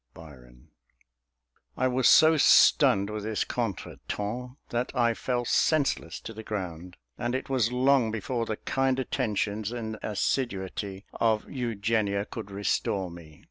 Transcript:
BYRON. I was so stunned with this contretemps, that I fell senseless to the ground; and it was long before the kind attentions and assiduity of Eugenia could restore me.